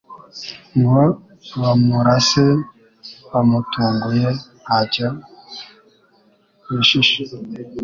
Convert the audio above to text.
ngo bamurase bamutunguye nta cyo bishisha